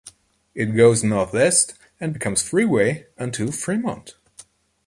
It goes northwest and becomes freeway until Fremont.